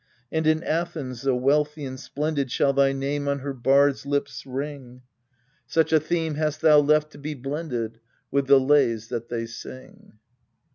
And in Athens the wealthy and splendid Shall thy name on her bards' lips ring, 2 '.4 EURIPIDES Such a theme hast thou left to be blended With the lays that they sing.